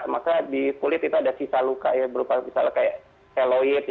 maka di kulit itu ada sisa luka ya berupa misalnya kayak heloid